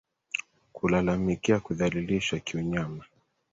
Kulalamikia kudhalilishwa kiunyama